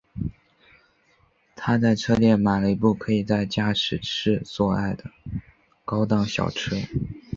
他在车店里买了一部可以在驾驶室做爱的高档小车。